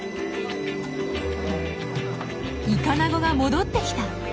「イカナゴが戻ってきた！」